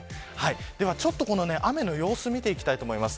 では雨の様子見ていきたいと思います。